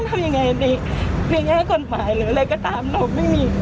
ทำงานครบ๒๐ปีได้เงินชดเฉยเลิกจ้างไม่น้อยกว่า๔๐๐วัน